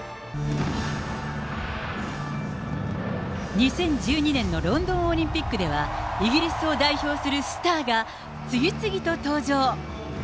２０１２年のロンドンオリンピックでは、イギリスを代表するスターが、次々と登場。